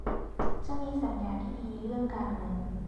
จะมีสัญญาณที่ดีเรื่องการเงิน